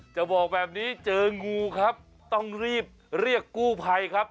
จะบอกแบบนี้เจองูครับต้องรีบเรียกกู้ภัยครับ